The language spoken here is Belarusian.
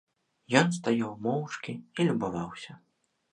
Ён стаяў моўчкі і любаваўся.